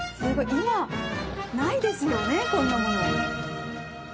今ないですよねこんなもの。